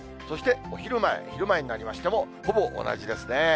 そして昼前、昼前になりましても、ほぼ同じですね。